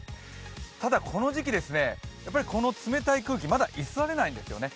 ただこの時期、この冷たい空気、まだ居座れないんですね。